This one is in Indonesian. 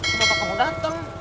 kenapa kamu dateng